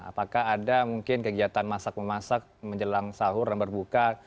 apakah ada mungkin kegiatan masak memasak menjelang sahur dan berbuka